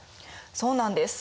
そうなんです。